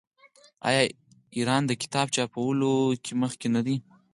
آیا ایران د کتاب چاپولو کې مخکې نه دی؟